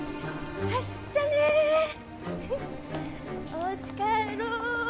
おうち帰ろう。